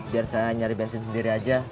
biar saya nyari bensin sendiri aja